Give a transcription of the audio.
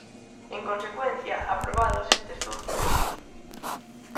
En consecuencia, aprobados estes dous puntos.